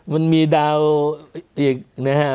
มันมีดาวอีกนะฮะ